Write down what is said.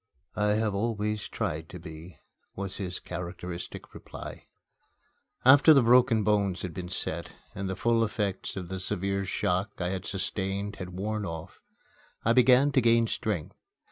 "I have always tried to be," was his characteristic reply. After the broken bones had been set, and the full effects of the severe shock I had sustained had worn off, I began to gain strength.